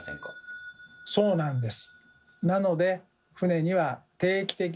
そうなんです。